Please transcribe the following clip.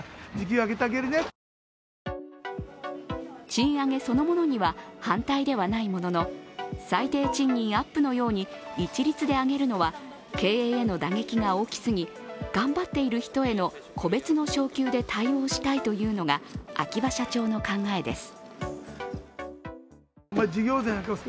賃上げそのものには反対ではないものの最低賃金アップのように一律で上げるのは経営への打撃が大きすぎ頑張っている人への個別の昇級で対応したいというのが秋葉社長の考えです。